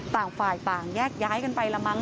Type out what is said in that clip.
ต่างฝ่ายต่างแยกย้ายกันไปละมั้